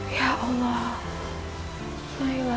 ya allah nailah